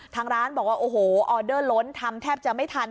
ทางร้านบอกว่าโอ้โหออเดอร์ล้นทำแทบจะไม่ทัน